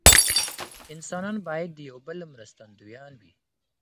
انسانان باید د یو بل مرستندویان وي.